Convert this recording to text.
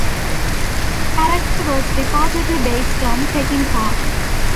The character was reportedly based on Peckinpah.